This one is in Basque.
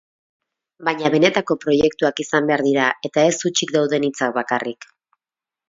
Baina benetako proiektuak izan behar dira, eta ez hutsik dauden hitzak bakarrik.